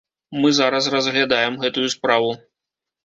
Мы зараз разглядаем гэтую справу.